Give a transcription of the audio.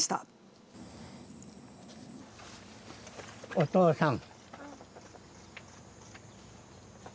お父さん。